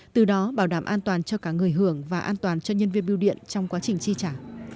từ đó bảo đảm an toàn cho cả người hưởng và an toàn cho nhân viên biêu điện trong quá trình chi trả